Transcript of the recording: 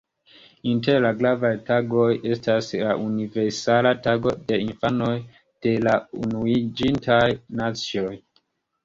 Inter la gravaj tagoj estas la "Universala tago de infanoj" de la Unuiĝintaj Nacioj.